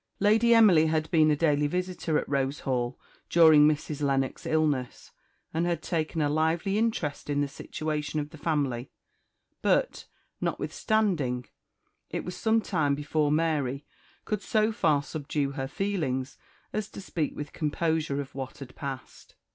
Lady Emily had been a daily visitor at Rose Hall during Mrs. Lennox's illness, and had taken a lively interest in the situation of the family; but, notwithstanding, it was some time before Mary could so far subdue her feelings as to speak with composure of what had passed.